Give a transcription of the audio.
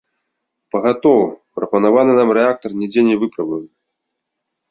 Пагатоў, прапанаваны нам рэактар нідзе не выпрабаваны.